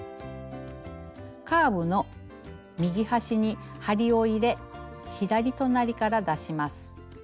カーブの右端に針を入れ左隣から出します。